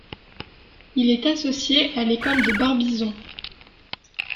Il est associé à l'École de Barbizon.